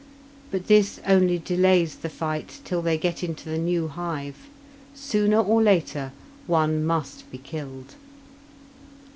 But this only delays the fight till they get into the new hive; sooner or later one must be killed.